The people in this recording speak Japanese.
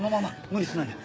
無理しないで。